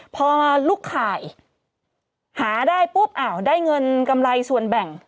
พอมาลุกข่ายหาได้ปุ๊บอ้าวได้เงินกำไรส่วนแบ่ง